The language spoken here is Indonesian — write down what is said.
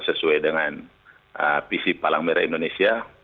sesuai dengan visi palang merah indonesia